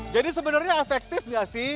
jadi sebenarnya efektif nggak sih